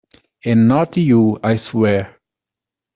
And not you, I swear!